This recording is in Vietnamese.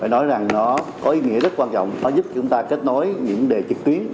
nói rằng nó có ý nghĩa rất quan trọng nó giúp chúng ta kết nối những vấn đề trực tuyến